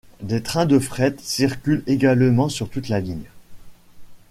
Des trains de fret circulent également sur toute la ligne.